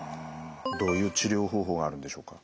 どういう治療方法があるんでしょうか？